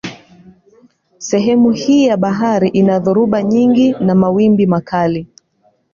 Sehemu hii ya bahari ina dhoruba nyingi na mawimbi makali.